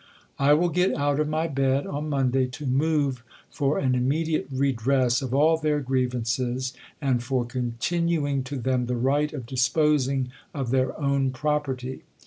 I will get out of my bed, on Monday, to move for an immediate redress of all their grievances, and for continuing to them the right of disposing of their own property.